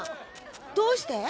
どうして？